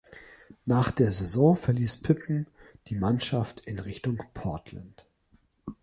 Nach der Saison verließ Pippen die Mannschaft in Richtung Portland.